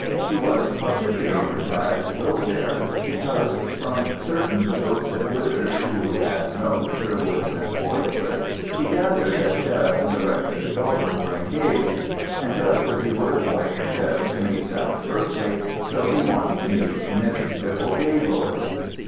He was particularly glad to go there because, from certain jokes of Withers's, who had known the Sherwoods since boyhood, he gathered that Chev and the rector's daughter were engaged. And just as he would have liked Chev to meet Sally Berkeley, so he wanted to meet Miss Sybil Gaylord.